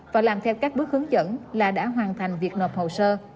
và làm theo các bước hướng dẫn là đã hoàn thành việc nộp hồ sơ